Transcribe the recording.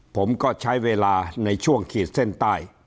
ผมก็ใช้เวลาในช่วงขีดเส้นใต้